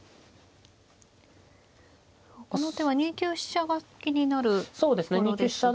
この手は２九飛車が気になるところですが。